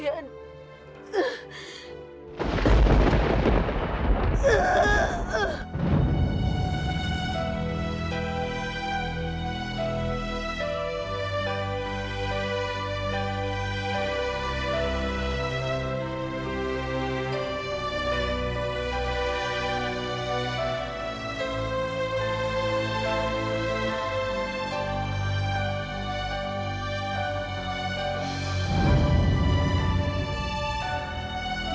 saya akan menangkapmu